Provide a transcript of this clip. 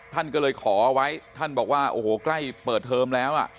ท่านก็เลยขอไว้ท่านบอกว่าโอ้โหใกล้เปิดเทอมแล้ว